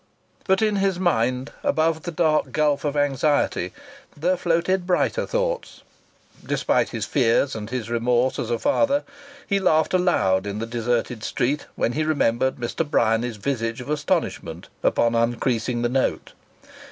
But, in his mind, above the dark gulf of anxiety, there floated brighter thoughts. Despite his fears and his remorse as a father, he laughed aloud in the deserted street when he remembered Mr. Bryany's visage of astonishment upon uncreasing the note.